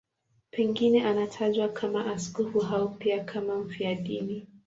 Pengine anatajwa kama askofu au pia kama mfiadini.